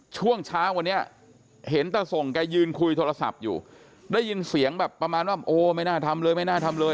ช่วงเช้าวันนี้เห็นตาส่งแกยืนคุยโทรศัพท์อยู่ได้ยินเสียงแบบประมาณว่าโอ้ไม่น่าทำเลยไม่น่าทำเลย